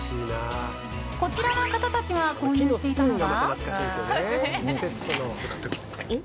こちらの方たちが購入していたのは。